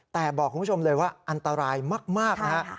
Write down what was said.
แต่บอกคุณผู้ชมเลยว่าอันตรายมากนะฮะ